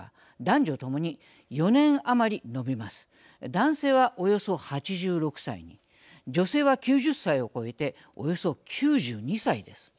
男性はおよそ８６歳に女性は９０歳を超えておよそ９２歳です。